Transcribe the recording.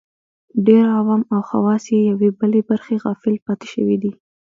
ډېر عوام او خواص یوې بلې برخې غافل پاتې شوي دي